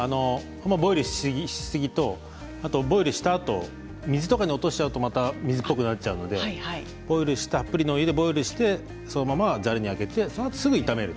ボイルしすぎとボイルしたあと水とかに落とすとまた水っぽくなっちゃうのでたっぷりのお湯でボイルしてそのままざるに上げてすぐ炒める。